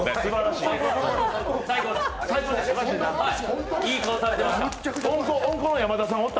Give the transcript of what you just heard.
いい顔されてました。